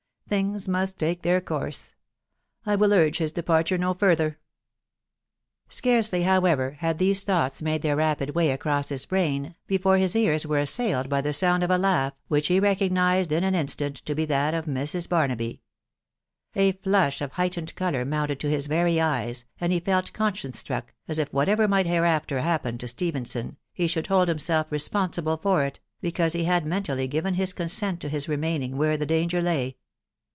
things mu&ttake their course: I will urge hia departure no fuitixeT" THE WIDOW BABtfABY. 211 Scarcely, however, had these thoughts made their rapid way across his brain, before his ears were assailed by the sound of a laugh, which he recognised in an instant to be that of Mrs. Barnaby. A flush of heightened colour mounted to his very eyes, and he felt conscience struck, as if whatever might hereafter happen to Stephenson, he should hold himself respon sible for it, because he had mentally given his consent to his re maining where the danger lay.